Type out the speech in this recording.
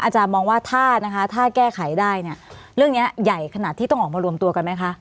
มองว่าถ้านะคะถ้าแก้ไขได้เนี่ยเรื่องนี้ใหญ่ขนาดที่ต้องออกมารวมตัวกันไหมคะ